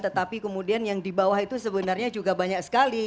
tetapi kemudian yang di bawah itu sebenarnya juga banyak sekali